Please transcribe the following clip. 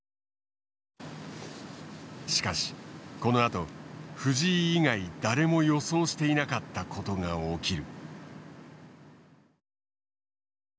しかしこのあと藤井以外誰も予想していなかったことが起きる。